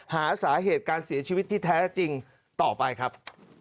หาสาเหตุการเสียชีวิตที่แท้จริงต่อไปครับ